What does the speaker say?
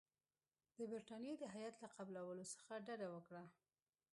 د برټانیې د هیات له قبولولو څخه ډډه وکړه.